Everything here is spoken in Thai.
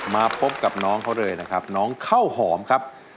มาพบกับน้องเขาเลยนะครับน้องข้าวหอมครับ